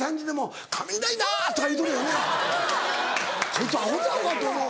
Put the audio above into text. こいつアホちゃうかと思う。